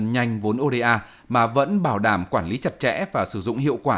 ngân nhanh vốn oda mà vẫn bảo đảm quản lý chặt chẽ và sử dụng hiệu quả